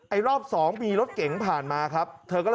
ไออรอบสองที่มีรถเก่งผ่านมาครับ